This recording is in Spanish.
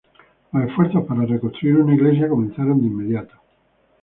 Los esfuerzos para reconstruir una iglesia comenzaron de inmediato.